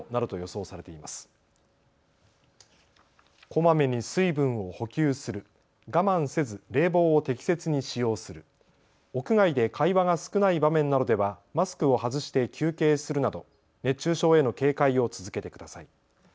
こまめに水分を補給する、我慢せず冷房を適切に使用する、屋外で会話が少ない場面などではマスクを外して休憩するなど熱中症への警戒を続けてください。